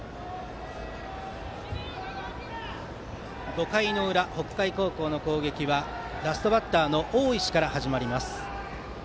５回の裏北海高校の攻撃はラストバッターの大石から始まります。